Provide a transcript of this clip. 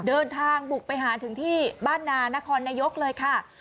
เดินทางบุกไปหาถึงที่บ้านนานครนายกเลยค่ะ